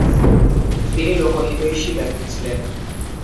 তিনি লোকহিতৈষী ব্যক্তি ছিলেন।